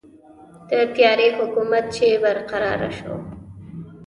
د تیارې حکومت چې برقراره شو.